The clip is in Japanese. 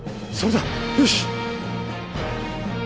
それだよし！